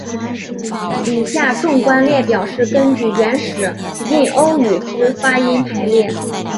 以下纵观列表是根据原始印欧语之发音排列。